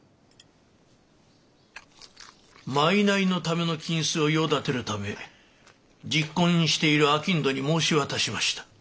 賄のための金子を用立てるため昵懇にしている商人に申し渡しました。